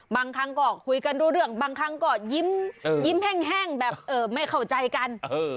บางครั้งก็คุยกันรู้เรื่องบางครั้งก็ยิ้มแห้งแบบไม่เข้าใจกัน